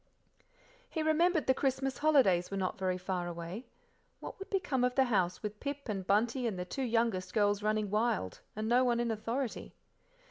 He remembered the Christmas holidays were not very far away; what would become of the house with Pip and Bunty and the two youngest girls running wild, and no one in authority?